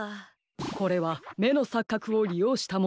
これはめのさっかくをりようしたもんだいですね。